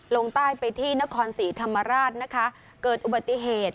ลงใต้ไปที่นครศรีธรรมราชนะคะเกิดอุบัติเหตุ